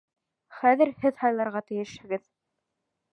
Хәҙер һеҙ һайларға тейешһегеҙ.